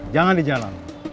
jangan di jalan